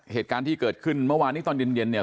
เหตุการณ์ที่เกิดขึ้นเมื่อวานนี้ตอนเย็นเนี่ย